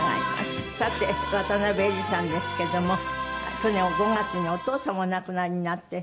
さて渡辺えりさんですけども去年５月にお父様お亡くなりになって。